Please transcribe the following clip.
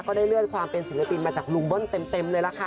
ได้เลื่อนความเป็นศิลปินมาจากลุงเบิ้ลเต็มเลยล่ะค่ะ